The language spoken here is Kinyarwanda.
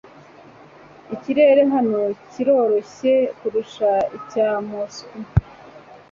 Ikirere hano kiroroshye kurusha icya Moscou